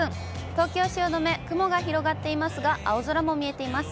東京・汐留、雲が広がっていますが、青空も見えています。